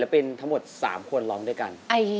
เป็นทั้งหมด๓คนร้องด้วยกัน